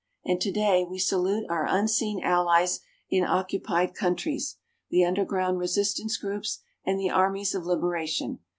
And today we salute our unseen Allies in occupied countries the underground resistance groups and the armies of liberation.